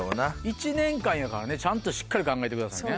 １年間やからねちゃんとしっかり考えてくださいね。